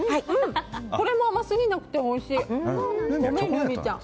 これも甘すぎなくておいしい。